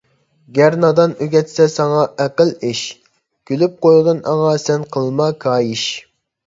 گەر نادان ئۆگەتسە ساڭا ئەقىل – ئىش، كۈلۈپ قويغىن ئاڭا سەن قىلما كايىش.